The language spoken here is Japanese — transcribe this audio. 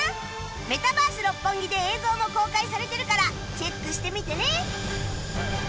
メタバース六本木で映像も公開されてるからチェックしてみてね